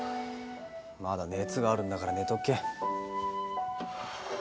まだ熱があるんだから寝とけ。